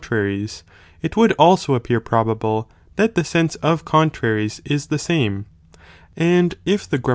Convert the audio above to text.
traries, it would also appear probable that the 2. What are = sense of contraries is the same, and if the gram probable.